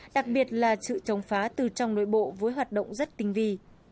đặc biệt là sự chống phá từ trong nội bộ với hoạt động rất tinh vi